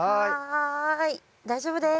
はい大丈夫です。